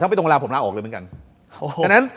ถ้าไม่ตรงเวลาผมล่าออกเลยเหมือนกัน